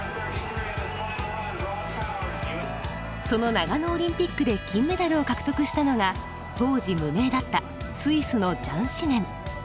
その長野オリンピックで金メダルを獲得したのが当時無名だったスイスのジャン・シメン。